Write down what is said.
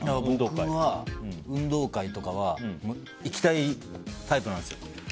僕は、運動会とかは行きたいタイプなんですよ。